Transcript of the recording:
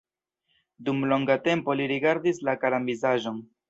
Dum longa tempo li rigardis la karan vizaĝon.